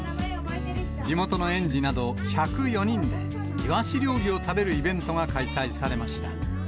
地元の園児など１０４人で、イワシ料理を食べるイベントが開催されました。